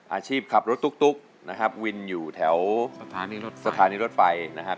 อาชีพขับรถตุ๊กนะครับวินอยู่แถวสถานีรถสถานีรถไฟนะครับ